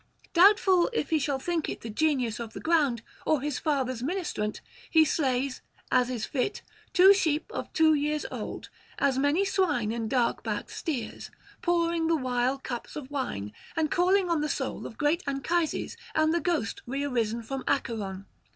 Doubtful if he shall think it the Genius of the ground or his father's ministrant, he slays, as is fit, two sheep of two years old, as many swine and dark backed steers, pouring the while cups of wine, and calling on the soul of great Anchises and the ghost rearisen from Acheron.